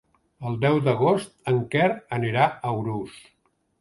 El deu d'agost en Quer anirà a Urús.